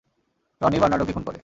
Tony বার্নার্ডোকে খুন করে।